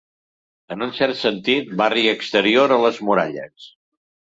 En un cert sentit, barri exterior a les muralles.